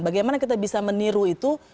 bagaimana kita bisa meniru itu